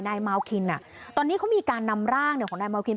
นายมาลคินตอนนี้เขามีการนำร่างของนายเมาคิน